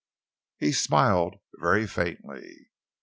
He smiled very faintly.